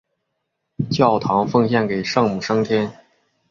教堂奉献给圣母升天。